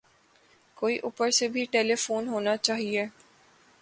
کوئی اوپر سے بھی ٹیلی فون ہونا چاہئے